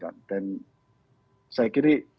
dan saya kira ini adalah hal yang harus kita lakukan